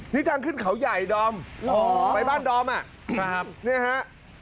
นี่ทางขึ้นเขาใหญ่ดอมไปบ้านดอมนี่ครับ